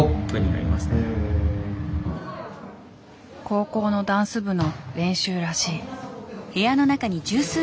高校のダンス部の練習らしい。